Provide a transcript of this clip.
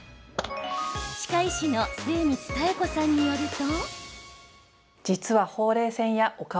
歯科医師の末光妙子さんによると。